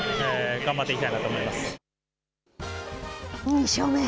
２勝目。